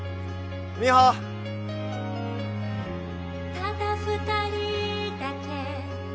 「ただ二人だけ」